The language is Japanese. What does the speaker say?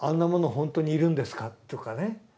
本当にいるんですかとかね。